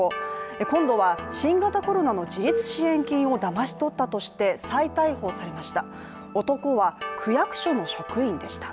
今度は新型コロナの自立支援金をだまし取ったとして再逮捕されました。